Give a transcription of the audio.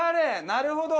なるほど！